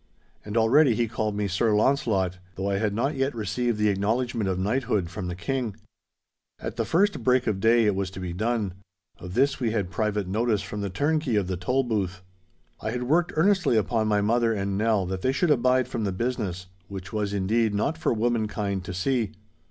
And already he called me Sir Launcelot, though I had not yet received the acknowledgment of knighthood from the King. At the first break of day it was to be done. Of this we had private notice from the turnkey of the Tolbooth. I had worked earnestly upon my mother and Nell that they should abide from the business—which was, indeed, not for womankind to see.